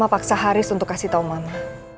mama paksa haris untuk kasih tau mama